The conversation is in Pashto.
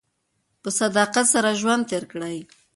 په صداقت سره ژوند تېر کړئ.